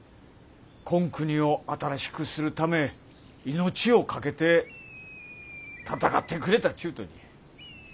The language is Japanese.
こん国を新しくするため命を懸けて戦ってくれたっちゅうとに。